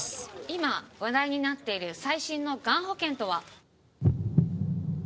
今話題になっている最新のがん保険とは？